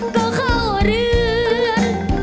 ก็เข้าเรือน